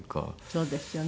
そうですよね。